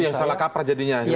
itu yang salah kapra jadinya